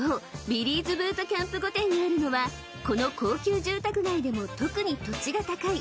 ビリーズブートキャンプ御殿があるのはこの高級住宅街でも特に土地が高い